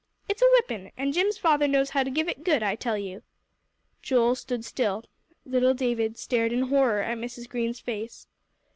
"It's a whipping, and Jim's father knows how to give it good, I tell you." Joel stood still. Little David stared in horror in Mrs. Green's face.